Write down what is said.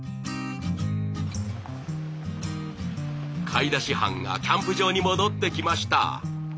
買い出し班がキャンプ場に戻ってきました。